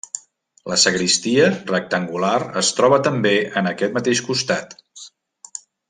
La sagristia, rectangular, es troba també en aquest mateix costat.